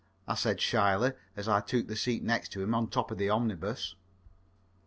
I said shyly, as I took the seat next to him on the top of the omnibus.